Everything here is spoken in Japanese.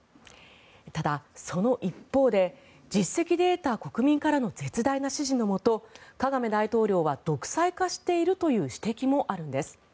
ただ、その一方で実績で得た国民の絶大な支持のもとカガメ大統領は独裁化しているという指摘もあるんです。